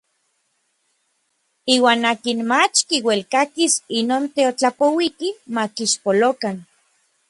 Iuan akin mach kiuelkakis inon teotlapouki ma kixpolokan.